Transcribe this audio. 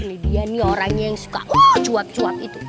ini dia nih orangnya yang suka cuap cuap itu